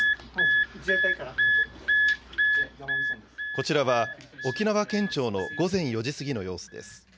こちらは、沖縄県庁の午前４時過ぎの様子です。